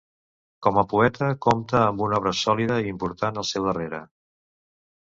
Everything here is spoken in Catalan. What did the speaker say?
Com a poeta compta amb una obra sòlida i important al seu darrere.